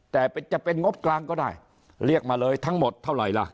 แต่จะเป็นงบกลางก็ได้เรียกมาเลยทั้งหมดเท่าไหร่ล่ะ